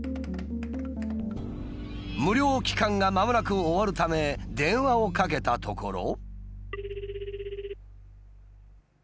無料期間がまもなく終わるため電話をかけたところ。